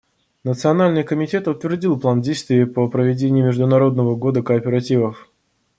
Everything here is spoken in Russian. Национальный комитет утвердил план действий по проведению Международного года кооперативов.